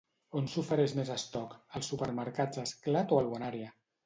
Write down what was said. On s'ofereix més estoc, als supermercats Esclat o al BonÀrea?